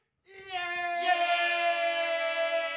イエイ！